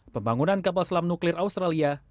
pembangunan kapal selam nuklir australia